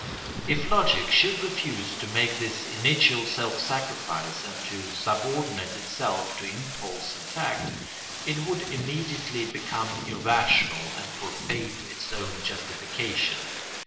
] If logic should refuse to make this initial self sacrifice and to subordinate itself to impulse and fact, it would immediately become irrational and forfeit its own justification.